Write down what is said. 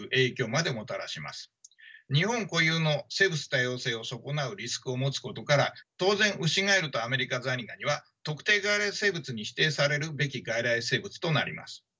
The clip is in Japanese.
日本固有の生物多様性を損なうリスクを持つことから当然ウシガエルとアメリカザリガニは特定外来生物に指定されるべき外来生物となります。